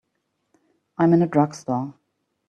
I'm in a drugstore.